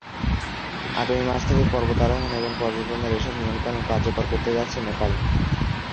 আগামী মাস থেকেই পর্বতারোহণ এবং পর্যটনের এসব নিয়ম-কানুন কার্যকর করতে যাচ্ছে নেপাল।